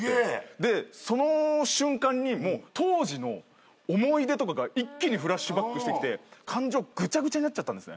でその瞬間にもう当時の思い出とかが一気にフラッシュバックしてきて感情ぐちゃぐちゃになっちゃったんですね。